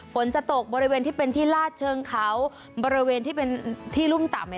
ฝนจะตกบริเวณที่เป็นที่ลาดเชิงเขาบริเวณที่เป็นที่รุ่มต่ำ